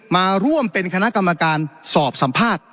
มาร่วมเป็นคณะกรรมการสอบสัมภาษณ์